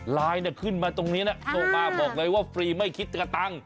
ไลน์ขึ้นมาตรงนี้นะโทรมาบอกเลยว่าฟรีไม่คิดจะกระตังค์